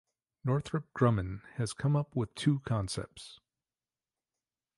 Northrop Grumman has come up with two concepts.